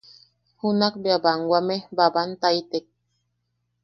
Junakbea banwame babaʼantaitek.